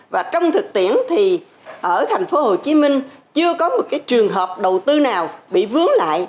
và trong thực tiễn thì ở thành phố hồ chí minh chưa có một trường hợp đầu tư nào bị vướng lại